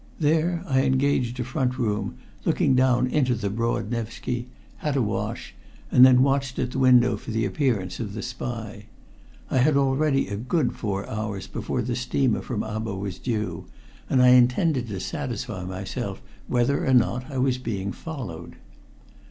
There I engaged a front room looking down into the broad Nevski, had a wash, and then watched at the window for the appearance of the spy. I had already a good four hours before the steamer from Abo was due, and I intended to satisfy myself whether or not I was being followed.